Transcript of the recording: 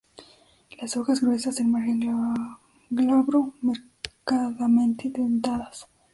Las hojas gruesas, el margen glabro, marcadamente dentadas.